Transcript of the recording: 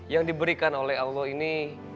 yang diberikan oleh allah ini